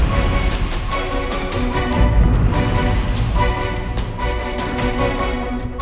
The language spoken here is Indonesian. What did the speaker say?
hitam itu selanjutnya